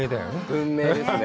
文明ですね。